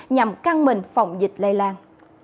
nhằm căng mình phòng dịch lây lan